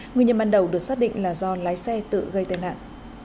nguyên nhân ban đầu được xác định là do lái xe tự gây tai nạn